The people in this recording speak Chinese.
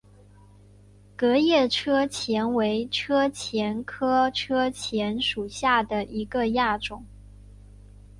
革叶车前为车前科车前属下的一个亚种。